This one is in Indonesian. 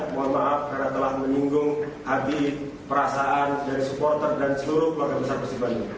mohon maaf karena telah menyinggung hati perasaan dari supporter dan seluruh keluarga persib bandung